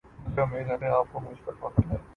مجھے اُمّید ہے کی اپ کو مجھ پر فخر ہے۔